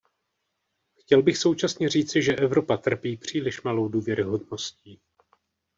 Chtěl bych současně říci, že Evropa trpí příliš malou důvěryhodností.